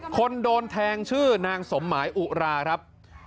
คนโดนแทงชื่อนางสมหมายอุราครับ